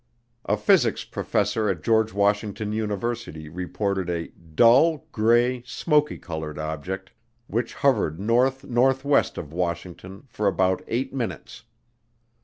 A physics professor at George Washington University reported a "dull, gray, smoky colored" object which hovered north northwest of Washington for about eight minutes.